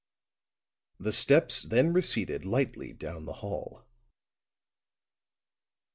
The steps then receded lightly down the hall.